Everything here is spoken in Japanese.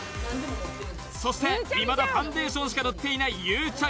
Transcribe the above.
そしていまだファンデーションしか塗っていないゆうちゃ